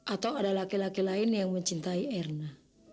atau ada laki laki lain yang mencintai erna